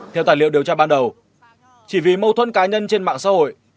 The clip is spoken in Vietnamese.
theo tài liệu điều tra ban đầu chỉ vì mâu thuẫn cá nhân trên mạng xã hội